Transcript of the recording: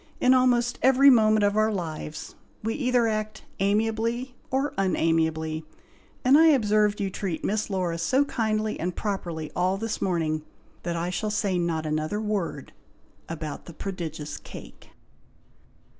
In almost every moment of our lives, we either act amiably of unamiably, and I observed you treat Miss Laura so kindly and properly all this morning, that I shall say not another word about "THE PRODIGIOUS CAKE."